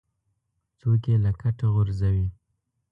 څوک یې له کټه غورځوي.